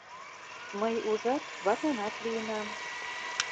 Мый, ужат, ватанат лийынам...